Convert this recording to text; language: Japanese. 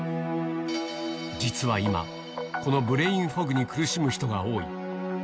実は今、このブレインフォグに苦しむ人が多い。